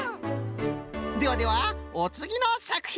ではではおつぎのさくひん。